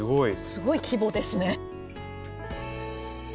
すごい規模ですね。